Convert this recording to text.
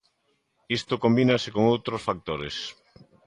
Isto combínase con outros factores.